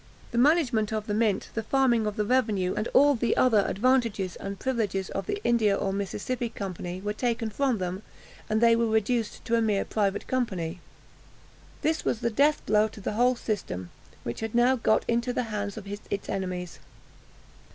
The management of the mint, the farming of the revenue, and all the other advantages and privileges of the India, or Mississippi Company, were taken from them, and they were reduced to a mere private company. This was the death blow to the whole system, which had now got into the hands of its enemies.